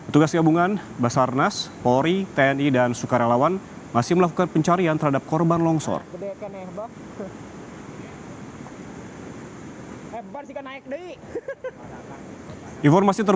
tugas gabungan basarnas polri tni dan sukarelawan masih melakukan pencarian terhadap korban longsor